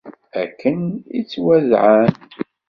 Akken i ttwadεan.